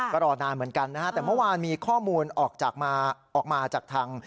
ก็รอนานเหมือนกันนะฮะแต่เมื่อวานมีข้อมูลออกมาจากทาง